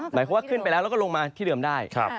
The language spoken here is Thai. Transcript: หมายความว่าขึ้นไปแล้วแล้วก็ลงมาที่เดิมได้